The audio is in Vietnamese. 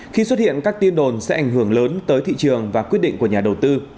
khi xuất hiện các tin đồn sẽ ảnh hưởng lớn tới thị trường và quyết định của nhà đầu tư